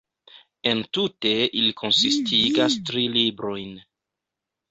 Entute ili konsistigas tri "librojn".